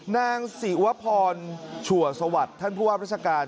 นางศิวพรชัวสวัสดิ์ท่านผู้ว่าราชการ